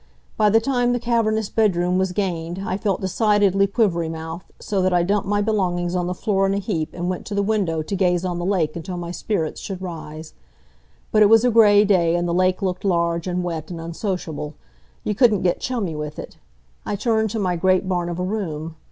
By the time the cavernous bedroom was gained I felt decidedly quivery mouthed, so that I dumped my belongings on the floor in a heap and went to the window to gaze on the lake until my spirits should rise. But it was a gray day, and the lake looked large, and wet and unsociable. You couldn't get chummy with it. I turned to my great barn of a room.